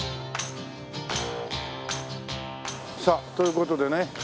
さあという事でね